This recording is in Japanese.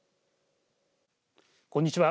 こんにちは。